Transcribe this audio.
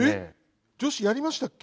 えっ女子やりましたっけ？